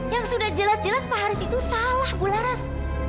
yang sudah jelas jelas pak haris itu salah bu laras